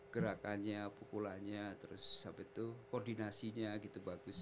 gerakannya pukulannya terus sahabat tuh koordinasinya gitu bagus